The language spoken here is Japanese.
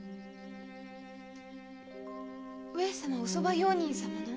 上様御側用人様の？